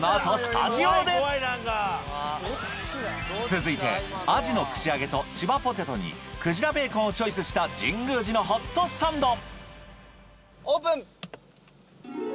続いてアジの串揚げとちばポテトに鯨ベーコンをチョイスした神宮寺のホットサンド